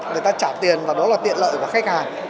người ta trả tiền và đó là tiện lợi của khách hàng